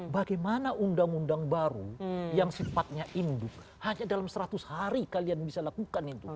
bagaimana undang undang baru yang sifatnya induk hanya dalam seratus hari kalian bisa lakukan itu